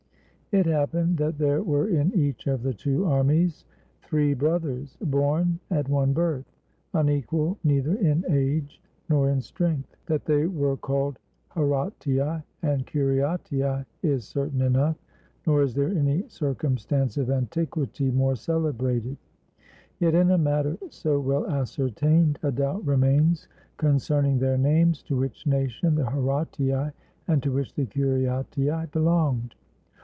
] It happened that there were in each of the two armies three brothers born at one birth, unequal neither in age nor in strength. That they were called Horatii and Curiatii is certain enough; nor is there any circumstance of antiquity more celebrated; yet in a matter so well ascertained, a doubt remains concerning their names, to which nation the Horatii and to which the Curiatii belonged.